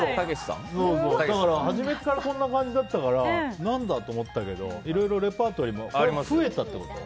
初めからこんな感じだったから何だって思ってたけどいろいろレパートリーも増えたということ？